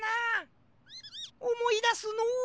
おもいだすのう。